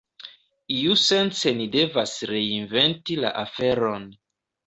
Iusence ni devas reinventi la aferon.